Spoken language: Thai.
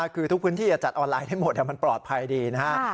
คือทุกพื้นที่จะจัดออนไลน์ได้หมดมันปลอดภัยดีนะฮะ